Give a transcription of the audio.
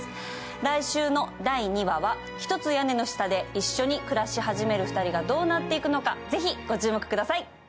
来週の第２話は、一つ屋根の下で一緒に暮らし始める２人がどうなっていくのかぜひご注目ください。